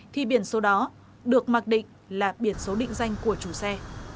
thì biển số đó được mặc định là biển số định danh của chủ xe